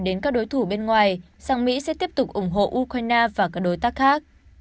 đến các đối thủ bên ngoài rằng mỹ sẽ tiếp tục ủng hộ ukraine và các đối tác khác